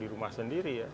di rumah sendiri ya